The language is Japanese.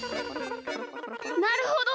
なるほど！